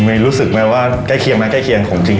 เมนรู้สึกว่าไว้ว่าก่ายเคียงไหม